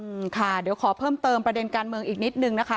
อืมค่ะเดี๋ยวขอเพิ่มเติมประเด็นการเมืองอีกนิดนึงนะคะ